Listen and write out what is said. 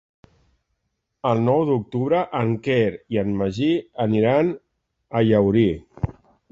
El nou d'octubre en Quer i en Magí aniran a Llaurí.